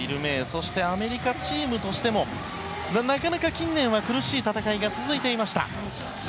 そしてアメリカチームとしてもなかなか近年は苦しい戦いが続いていました。